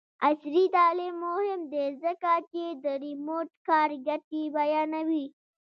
عصري تعلیم مهم دی ځکه چې د ریموټ کار ګټې بیانوي.